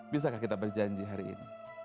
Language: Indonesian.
bisakah kita berjanji hari ini